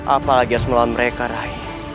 apalagi harus melawan mereka rai